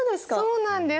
そうなんです。